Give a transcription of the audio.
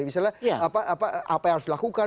misalnya apa yang harus dilakukan